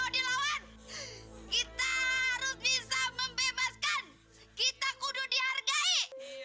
kita bisa membebaskan kita kudu dihargai